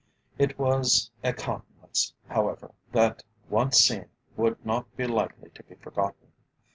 It was a countenance, however, that once seen would not be likely to be forgotten.